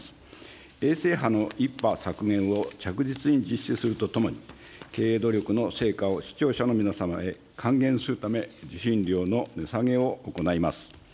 衛星波の１波削減を着実に実施するとともに、経営努力の成果を視聴者の皆様へ還元するため、受信料の値下げを行います。